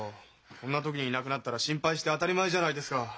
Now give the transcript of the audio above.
こんな時にいなくなったら心配して当たり前じゃないですか。